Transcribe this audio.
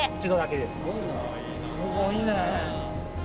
すごいね。